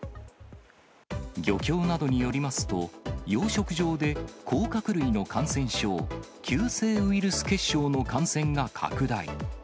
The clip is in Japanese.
漁協などによりますと、養殖場で、甲殻類の感染症、急性ウイルス血症の感染が拡大。